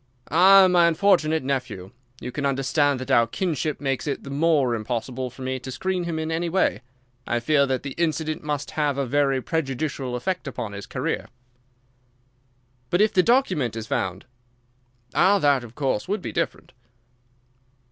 "Ah, my unfortunate nephew! You can understand that our kinship makes it the more impossible for me to screen him in any way. I fear that the incident must have a very prejudicial effect upon his career." "But if the document is found?" "Ah, that, of course, would be different."